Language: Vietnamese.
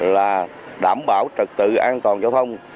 là đảm bảo trật tự an toàn giao thông